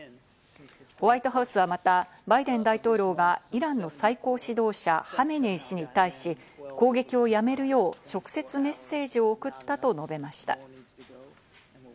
ホワイトハウスはまた、バイデン大統領がイランの最高指導者・ハメネイ師に対し、攻撃をやめるよう直接メッセージを送ったと述べました。